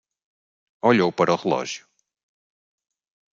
Olhou para o relógio